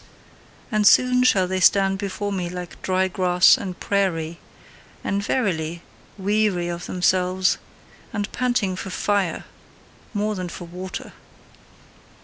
And SOON shall they stand before me like dry grass and prairie, and verily, weary of themselves and panting for FIRE, more than for water!